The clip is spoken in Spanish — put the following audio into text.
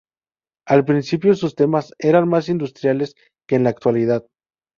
Al principio, sus temas eran más industriales que en la actualidad.